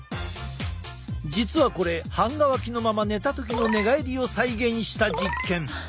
実はこれ半乾きのまま寝た時の寝返りを再現した実験。